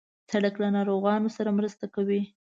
سړک له ناروغانو سره مرسته کوي.